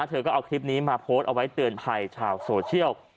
เอาไว้เตือนภัยชาวโซเชียล